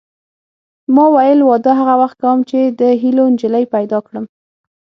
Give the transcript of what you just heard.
ما ویل واده هغه وخت کوم چې د هیلو نجلۍ پیدا کړم